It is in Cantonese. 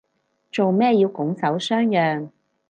做咩要拱手相讓